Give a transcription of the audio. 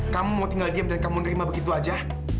kamu mau tinggal diam dan kamu menerima begitu saja